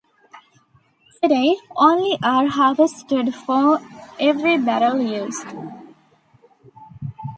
Today only are harvested for every barrel used.